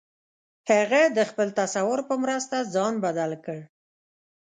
هغه د خپل تصور په مرسته ځان بدل کړ